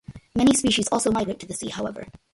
Many species also migrate to the sea, however.